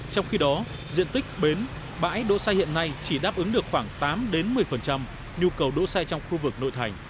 trong khi đó diện tích bến bãi đỗ xe hiện nay chỉ đáp ứng được khoảng tám một mươi nhu cầu đỗ xe trong khu vực nội thành